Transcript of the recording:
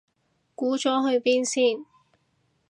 估咗去邊先